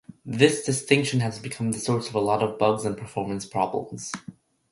This distinction has become the source of a lot of bugs, and performance problems.